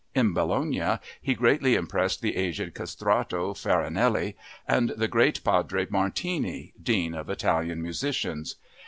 In Bologna he greatly impressed the aged castrato Farinelli and the great Padre Martini, dean of Italian musicians.